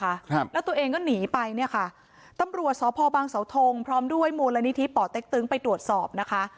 ครับแล้วตัวเองก็หนีไปเนี่ยค่ะตำรวจสพบังเสาทงพร้อมด้วยมูลนิธิป่อเต็กตึงไปตรวจสอบนะคะ